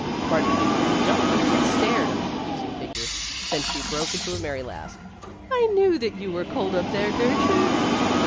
Marjorie gave a little jump, and stared at the accusing figure ; then she broke into a merry laugh. " I knew that you were cold up there, Gertrude."